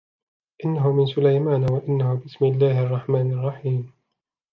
إنه من سليمان وإنه بسم الله الرحمن الرحيم